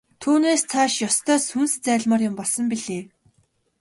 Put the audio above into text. Түүнээс цааш ёстой сүнс зайлмаар юм болсон билээ.